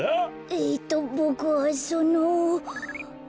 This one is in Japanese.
えっとボクはその。